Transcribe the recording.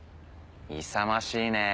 勇ましいね。